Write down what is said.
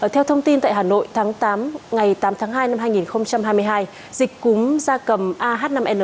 theo thông tin tại hà nội tháng tám ngày tám tháng hai năm hai nghìn hai mươi hai dịch cúm da cầm ah năm n một